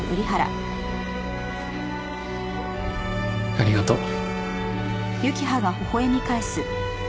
ありがとう。